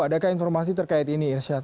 adakah informasi terkait ini irsyad